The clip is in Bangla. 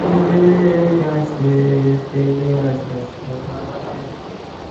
গুরু সম্বন্ধে এইটুকু দেখিতে হইবে, তিনি যেন শাস্ত্রের মর্মজ্ঞ হন।